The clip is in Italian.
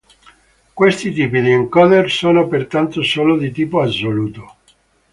Questi tipi di encoder sono pertanto solo di tipo assoluto.